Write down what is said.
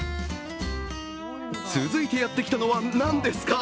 続いてやってきたのは、何ですか？